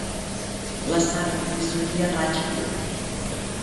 La sang li sortia a raig fet.